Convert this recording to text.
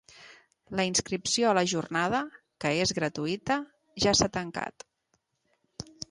La inscripció a la Jornada, que és gratuïta, ja s'ha tancat.